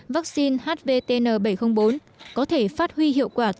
vaccine hvtn bảy trăm linh bốn có thể phát huy hiệu quả